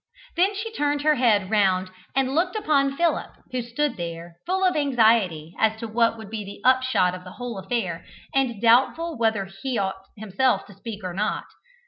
Then she turned her head round and looked upon Philip, who stood there, full of anxiety as to what would be the upshot of the whole affair, and doubtful whether he ought himself to speak or not.